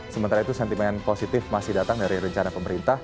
sementara itu sentimen positif masih datang dari rencana pemerintah